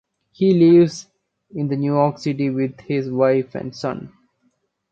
He lives in New York City with his wife and son.